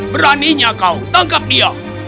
beraninya kau tangkap dia